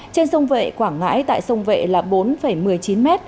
trên sông vệ quảng ngãi tại sông vệ là bốn một mươi chín m